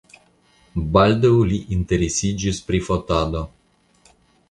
Baldaŭ li interesiĝis pri fotado.